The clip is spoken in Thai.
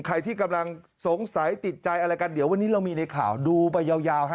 ใครที่กำลังสงสัยติดใจอะไรกันเดี๋ยววันนี้เรามีในข่าวดูไปยาวฮะ